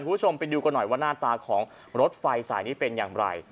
คุณผู้ชมไปดูกันหน่อยว่าหน้าตาของรถไฟสายนี้เป็นอย่างไร